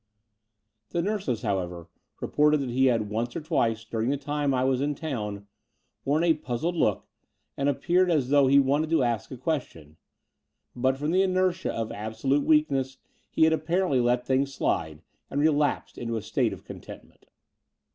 The nurses, however, reported that he had once or twice, during the time I was in town, worn a puzzled look and appeared as though he wanted to ask a question : but from the inertia of absolute weakness he had apparently let things slide and relapsed into a state of contentment.